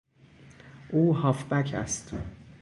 او هافبک است.